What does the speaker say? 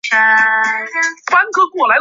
坚叶毛蕨为金星蕨科毛蕨属下的一个种。